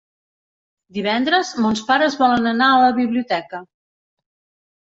Divendres mons pares volen anar a la biblioteca.